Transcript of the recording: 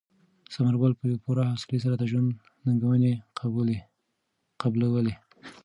ثمر ګل په پوره حوصلې سره د ژوند ننګونې قبلولې.